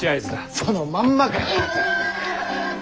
そのまんまかいな！